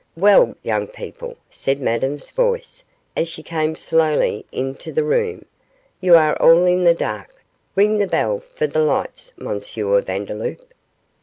'Well, young people,' said Madame's voice, as she came slowly into the room, 'you are all in the dark; ring the bell for lights, M. Vandeloup.